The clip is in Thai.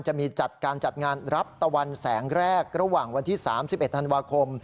จะมีการจัดงานรับตะวันแสงแรกระหว่างวันที่๓๑ธันวาคม